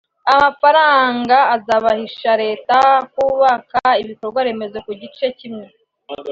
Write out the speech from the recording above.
Aya mafaranga azabashisha leta kubaka ibikorwa remezo ku gice kimwe